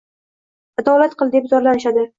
«adolat qil» deb zorlanishadi.